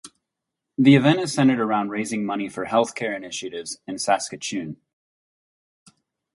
The event is centered around raising money for healthcare initiatives in Saskatchewan.